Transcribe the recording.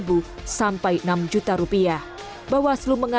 bawaslu mengaku tersebut adalah penyakit yang terjadi di jepang